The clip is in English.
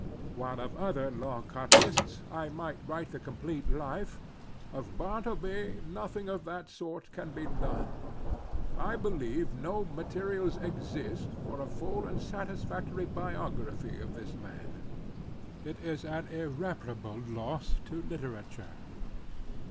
While of other law copyists I might write the complete life, of Bartleby nothing of that sort can be done. I believe that no materials exist for a full and satisfactory biography of this man. It is an irreparable loss to literature.